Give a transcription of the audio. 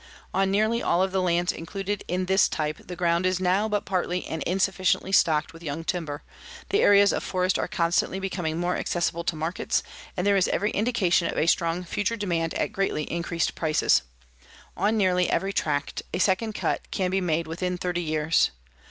"On nearly all of the lands included in this type the ground is now but partly and insufficiently stocked with young timber, the areas of forest are constantly becoming more accessible to markets, and there is every indication of a strong future demand at greatly increased prices. On nearly every tract, a second cut can be made within thirty years.